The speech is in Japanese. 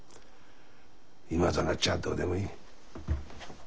今となっちゃあどうでもいい。